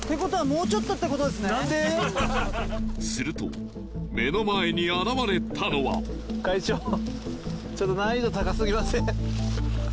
うんすると目の前に現れたのは会長ちょっと難易度高すぎません？